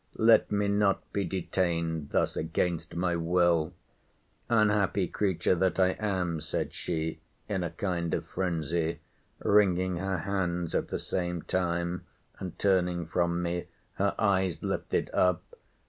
Let me not be detained thus against my will!—Unhappy creature that I am, said she, in a kind of phrensy, wringing her hands at the same time, and turning from me, her eyes lifted up!